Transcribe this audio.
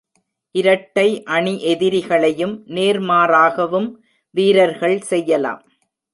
இரட்டை அணி எதிரிகளையும், நேர்மாறாகவும் வீரர்கள் செய்யலாம்.